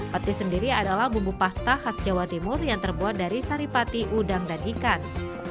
petis sendiri adalah bumbu pasta khas jawa timur yang terbuat dari saripati udang dan ikan